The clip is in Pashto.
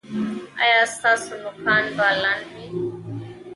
ایا ستاسو نوکان به لنډ وي؟